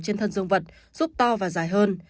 trên thân dương vật giúp to và dài hơn